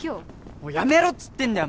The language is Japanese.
もうやめろっつってんだよ！